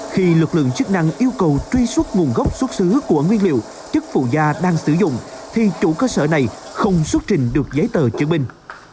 khi lực lượng chức năng yêu cầu truy xuất nguồn gốc xuất xứ của nguyên liệu chất phụ da đang sử dụng thì chủ cơ sở này không xuất trình được giấy tờ chứng minh